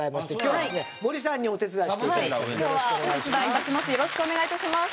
はい。